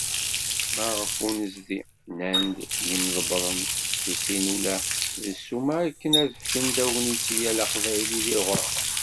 Ma ɣef unnezdi, nnan-d yimḍebbren sefsusin ula d ssuma akken ad fken tagnit i yal Aqbayli di lɣerba.